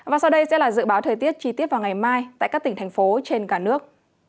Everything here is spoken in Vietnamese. và sau đây sẽ là dự báo thời tiết chi tiết vào ngày mai tại các tỉnh thành phố trên cả nước